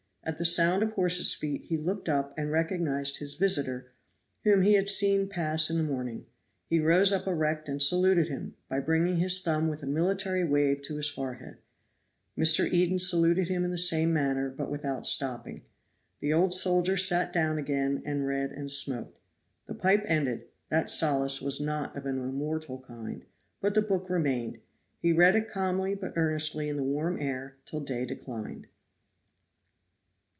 At the sound of horses' feet he looked up and recognized his visitor, whom he had seen pass in the morning. He rose up erect and saluted him, by bringing his thumb with a military wave to his forehead. Mr. Eden saluted him in the same manner, but without stopping. The old soldier sat down again and read and smoked. The pipe ended that solace was not of an immortal kind but the book remained; he read it calmly but earnestly in the warm air till day declined.